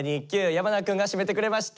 矢花くんが締めてくれました。